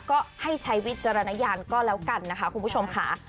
ก็ให้ใช้วิจารณญาณก็แล้วกันนะคะคุณผู้ชมค่ะ